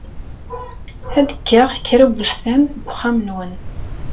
Ad kkeɣ kra n wussan deg uxxam-nwen.